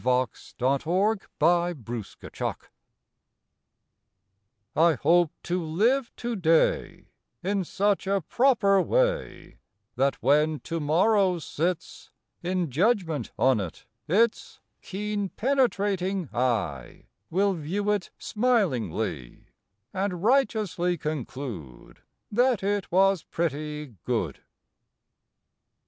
April Eighteenth THE VERDICT T HOPE to live to day In such a proper way That when To morrow sits In judgment on it its Keen penetrating eye Will view it smilingly, And righteously conclude That it was pretty good.